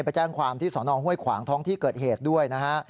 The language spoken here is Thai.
ไปแจ้งความที่สนห้วยขวางท้องที่เกิดเหตุด้วยนะฮะ